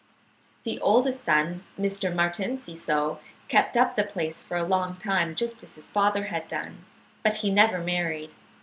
"The oldest son, Mr. Martin Ciseaux, kept up the place for a long time, just as his father had done, but he never married.